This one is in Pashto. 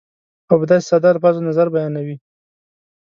او په داسې ساده الفاظو نظر بیانوي